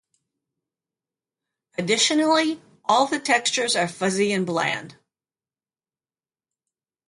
Additionally, all the textures are fuzzy and bland.